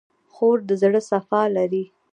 خور د زړه صفا لري.